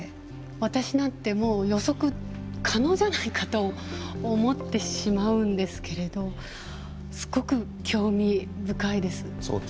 私なんてもう予測可能じゃないかと思ってしまうんですけれどすごく興味深いです。